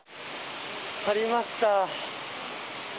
ありました。